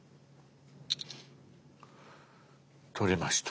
撮れました。